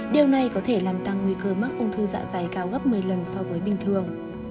điều này có thể làm tăng nguy cơ mắc ung thư dạ dày cao gấp một mươi lần so với bình thường